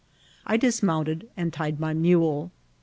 I dismount ed and tied my mule.